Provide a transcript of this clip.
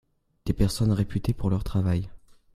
des personnes réputées pour leur travail.